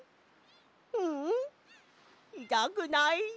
ううんいたくない。